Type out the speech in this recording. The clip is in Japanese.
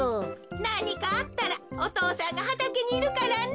なにかあったらお父さんがはたけにいるからね。